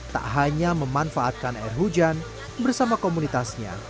tak hanya memanfaatkan air hujan bersama komunitasnya